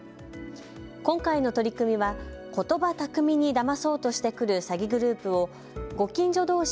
今回の取り組みはことば巧みにだまそうとしてくる詐欺グループをご近所どうし